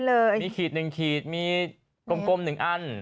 มีขีดหนึ่งขีดมีกลมหนึ่งอัน